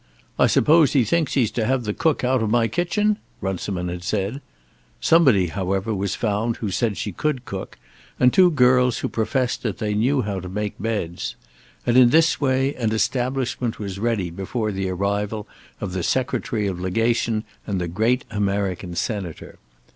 "I suppose he thinks he's to have the cook out of my kitchen?" Runciman had said. Somebody, however, was found who said she could cook, and two girls who professed that they knew how to make beds. And in this way an establishment was ready before the arrival of the Secretary of Legation and the great American Senator.